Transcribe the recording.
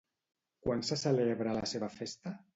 Quan se celebra la seva festa?